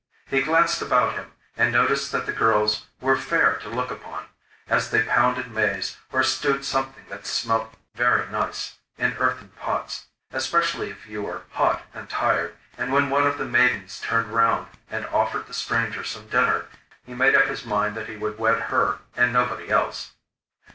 He glanced about him and noticed that the girls were fair to look upon, as they pounded maize or stewed something that smelt very nice in earthen pots especially if you were hot and tired; and when one of the maidens turned round and offered the stranger some dinner, he made up his mind that he would wed her and nobody else.